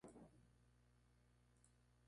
Heredó el circo cuando fueron asesinados sus padres.